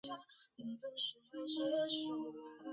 西汉惠帝三年地区。